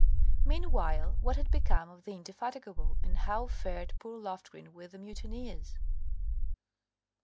Meanwhile what had become of the Indefatigable, and how fared poor Loftgreen with the mutineers?